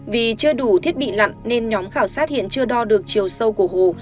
vì chưa đủ thiết bị lặn nên nhóm khảo sát hiện chưa đo được chiều sâu của hồ